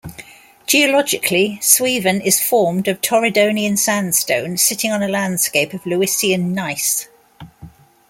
Geologically, Suilven is formed of Torridonian sandstone, sitting on a landscape of Lewisian Gneiss.